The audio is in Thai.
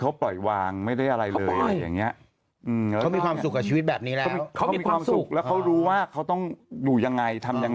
เขามีความสุขแล้วเขารู้ว่าเขาต้องดูอย่างงี้ทำยัง